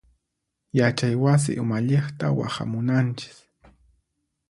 Yachay wasi umalliqta waqhamunanchis.